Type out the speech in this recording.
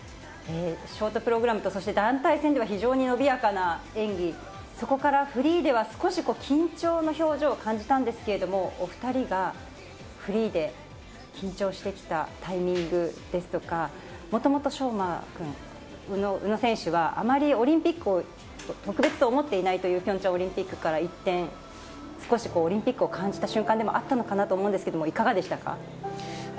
ショートプログラムと団体戦では非常に伸びやかな演技、そこからフリーでは少し緊張の表情を感じたんですけれども、お２人がフリーで緊張してきたタイミングですとか、もともと宇野選手はあまりオリンピックを特別と思っていないとピョンチャンオリンピックから言っていて、オリンピックを感じた瞬間でもあったのかと思いますけど、いかがですか？